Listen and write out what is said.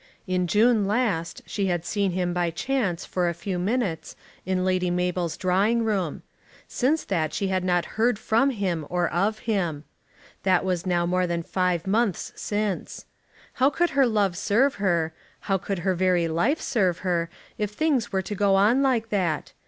In June last she had seen him, by chance, for a few minutes, in Lady Mabel's drawing room. Since that she had not heard from him or of him. That was now more than five months since. How could her love serve her, how could her very life serve her, if things were to go on like that?